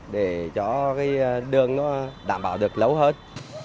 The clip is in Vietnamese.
để cho đường đảm bảo được lâu hết